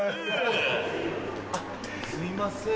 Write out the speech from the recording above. あっすいません